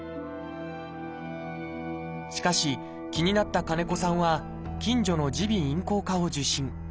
しかし気になった金子さんは近所の耳鼻咽喉科を受診。